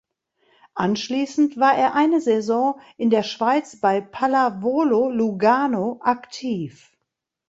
Anschließend war er eine Saison in der Schweiz bei Pallavolo Lugano aktiv.